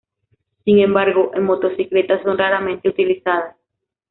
Sin embargo, en motocicletas son raramente utilizadas.